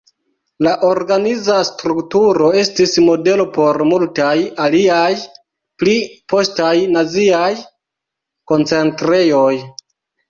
La organiza strukturo estis modelo por multaj aliaj pli postaj naziaj koncentrejoj.